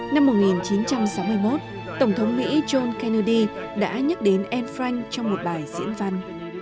năm một nghìn chín trăm sáu mươi một tổng thống mỹ john kennedy đã nhắc đến anne frank trong một bài diễn văn